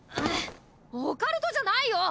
オカルトじゃないよ！